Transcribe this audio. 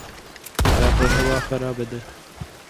د کابل هوا خرابه ده